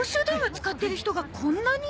使ってる人がこんなに？